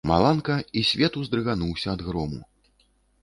Маланка, і свет уздрыгануўся ад грому.